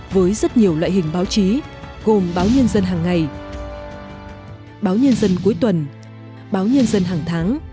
với rất nhiều loại hình báo chí gồm báo nhân dân hàng ngày báo nhân dân cuối tuần báo nhân dân hàng tháng